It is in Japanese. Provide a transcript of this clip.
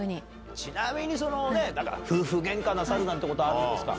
ちなみにそのね、夫婦げんかなさるなんてことはあるんですか。